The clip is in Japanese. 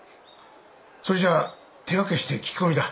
それじゃ手分けして聞き込みだ。